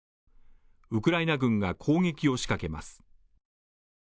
ウクライナ軍が攻撃を仕掛けます。